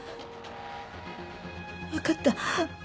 わかった。